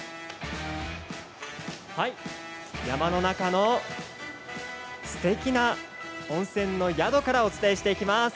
山の中のすてきな温泉の宿からお伝えしていきます。